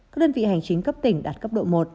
các đơn vị hành chính cấp tỉnh đạt cấp độ một